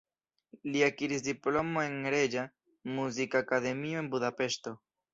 Li akiris diplomon en Reĝa Muzikakademio de Budapeŝto.